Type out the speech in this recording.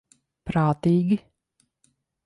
Prātīgi.